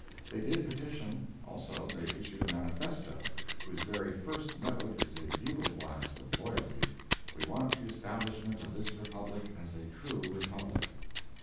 They did petition. Also, they issued a Manifesto, whose very first note is a bugle blast of loyalty: "We want the establishment of this Republic as a true Republic."